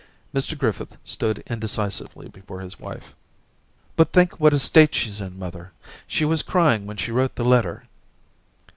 Mr Griffith stood indecisively before his wife. * But think what a state she's in, mother. She was crying when she wrote the letter.'